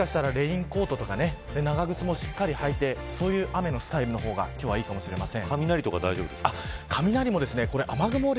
お昼前後はもしかしたら、レインコートとか長靴もしっかり履いてそういう雨のスタイルの方がいいかもしれません。